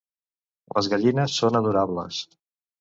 Les gallines són adorables.